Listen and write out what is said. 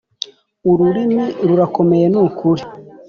ururimi rurakomeye, nukuri!